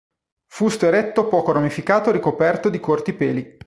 Fusto eretto poco ramificato ricoperto di corti peli.